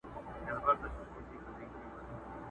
لېونتوب ته په خندا یې هر سړی وو.!